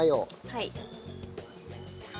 はい。